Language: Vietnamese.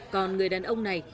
còn người đàn ông này